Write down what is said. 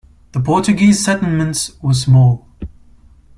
The Portuguese settlements were small.